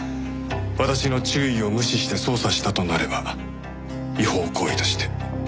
私の注意を無視して捜査したとなれば違法行為として立件します。